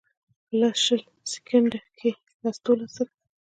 پۀ لس شل سیکنډه کښې لس دولس ځله